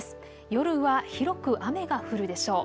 夜は広く雨が降るでしょう。